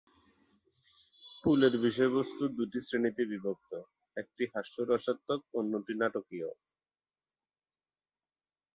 পুলের বিষয়বস্তু দুটি শ্রেণীতে বিভক্ত, একটি হাস্যরসাত্মক, অন্যটি নাটকীয়।